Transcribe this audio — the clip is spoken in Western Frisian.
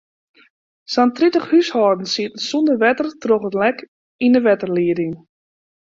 Sa'n tritich húshâldens sieten sonder wetter troch in lek yn de wetterlieding.